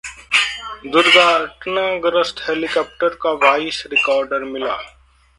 दुर्घटनाग्रस्त हेलीकॉप्टर का voice recorder मिला